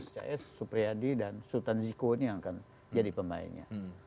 pks supriyadi dan sultan ziko ini yang akan jadi pemainnya